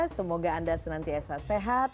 semoga anda senantiasa sehat